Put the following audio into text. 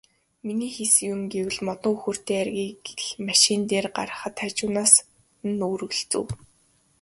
Миний хийсэн юм гэвэл модон хөхүүртэй айргийг л машин дээр гаргахад хажуугаас нь өргөлцөв.